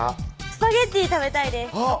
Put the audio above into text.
スパゲッティ食べたいですあっ